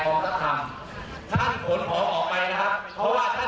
ถูกลุกที่วัดครับผมแก้ความดำเนินคดีหมดแล้ว